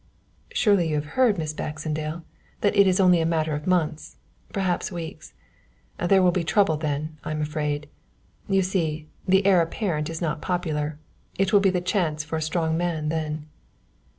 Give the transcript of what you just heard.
"Surely you have heard, Miss Baxendale, that it is only a matter of months, perhaps weeks. There will be trouble then, I'm afraid. You see, the heir apparent is not popular. It will be the chance for a strong man then."